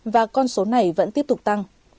và con số này vẫn tiếp tục tăng